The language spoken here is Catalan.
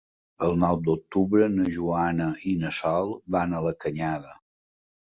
El nou d'octubre na Joana i na Sol van a la Canyada.